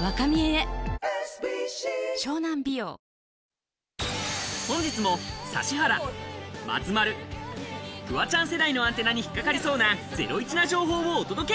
わかるぞ本日も指原、松丸、フワちゃん世代のアンテナに引っ掛かりそうなゼロイチな情報をお届け！